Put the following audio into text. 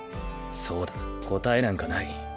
そうだ答えなんかない。